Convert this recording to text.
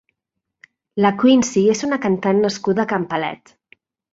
La Queency és una cantant nascuda a Can Palet.